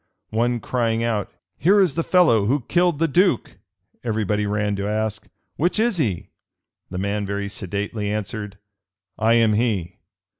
One crying out, "Here is the fellow who killed the duke;" every body ran to ask, "Which is he?" The man very sedately answered, "I am he."